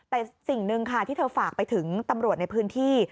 แต่สิ่งหนึ่งค่ะที่เธอฝากไปถึงตำรวจในพื้นที่